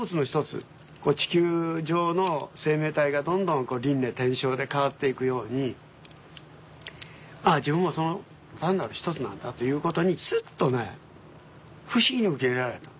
地球上の生命体がどんどんこう輪廻転生で変わっていくようにああ自分もその単なる一つなんだということにスッとね不思議に受け入れられた。